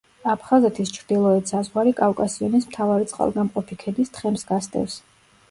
აფხაზეთის ჩრდილოეთ საზღვარი კავკასიონის მთავარი წყალგამყოფი ქედის თხემს გასდევს.